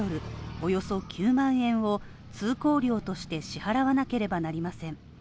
およそ９万円を、通行料として支払わなければなりません。